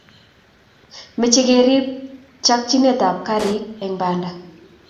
meche keriip chakchinetab karir eng banda